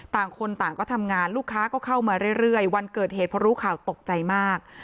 ต่างคนต่างก็ทำงานลูกค้าก็เข้ามาเรื่อยวันเกิดเหตุพอรู้ข่าวตกใจมาก